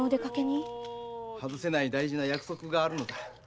外せない大事な約束があるのだ。